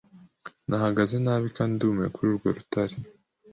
Nahagaze nabi kandi ndumiwe kuri urwo rutare